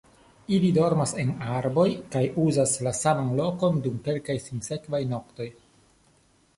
Ili dormas en arboj kaj uzas la saman lokon dum kelkaj sinsekvaj noktoj.